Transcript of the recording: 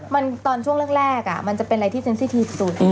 มันตอนช่วงเรื่องแรกอะมันจะเป็นอะไรที่เซ็นสิทีสุด